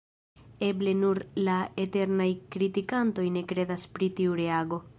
Eble nur la eternaj kritikantoj ne kredas pri tiu reago.